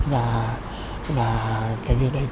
và cái việc đấy